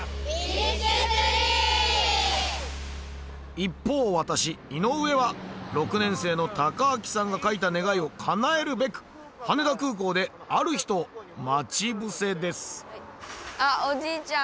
一方私井上は６年生のたかあきさんが書いた願いをかなえるべく羽田空港である人を待ち伏せですあっおじいちゃん！